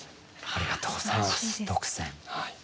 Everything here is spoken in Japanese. ありがとうございます特選。